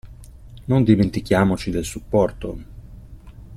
Non dimentichiamoci del supporto.